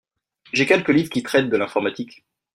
J'ai quelques livres qui traitent de l'informatique.